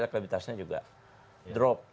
leklevitasnya juga drop